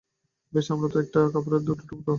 বেশ, আমরা তো একটা কাপড়েরই দুটো টুকরা।